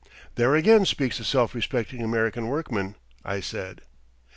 "There again speaks the self respecting American workman," I said.